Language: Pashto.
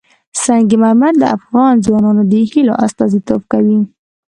سنگ مرمر د افغان ځوانانو د هیلو استازیتوب کوي.